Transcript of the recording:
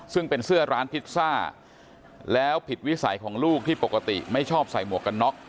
ซึ่งเป็นเสื้อร้านพิซซ่าแล้วผิดวิสัยของลูกที่ปกติไม่ชอบใส่หมวกกันน็อก